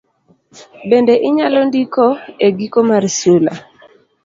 Bende inyalo ndiko e giko mar sula